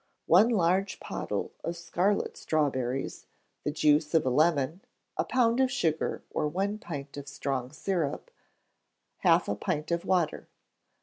One large pottle of scarlet strawberries, the juice of a lemon, a pound of sugar, or one pint of strong syrup, half a pint of water.